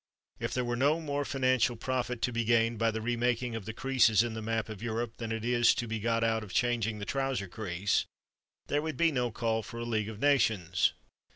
If there were no more financial profit to be gained by the remaking of the creases in the map of Europe than is to be got out of changing the trouser crease, there would be no call for a League of Nations.